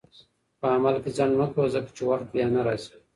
په عمل کې ځنډ مه کوه، ځکه چې وخت بیا نه راځي.